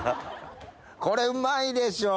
これうまいでしょう。